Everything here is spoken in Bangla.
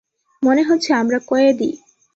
মনে হচ্ছে আমরা কয়েদী!